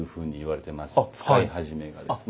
使い始めがですね。